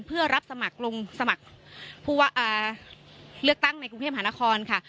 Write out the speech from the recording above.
เพื่อรับสมัครลงสมัครผู้เลือกตั้งในกรุงเทพหานครค่ะ